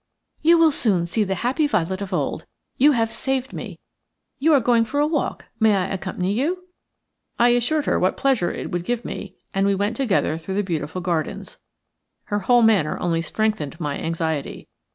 "You will soon see the happy Violet of old. You have saved me. You are going for a walk. May I accompany you?" I assured her what pleasure it would give me, and we went together through the beautiful gardens. Her whole manner only strengthened my anxiety.